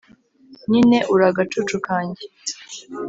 nyine uri agacucu kanjye